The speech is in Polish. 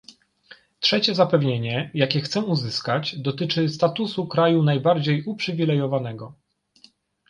Trzecie zapewnienie, jakie chcę uzyskać, dotyczy statusu kraju najbardziej uprzywilejowanego